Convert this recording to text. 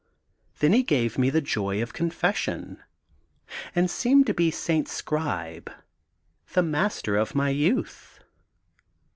Then he gave me the joy of confession, and seemed to be St. Scribe, the master of my youth.